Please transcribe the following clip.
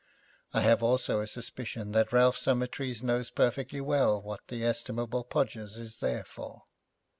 I have also a suspicion that Ralph Summertrees knows perfectly well what the estimable Podgers is there for.'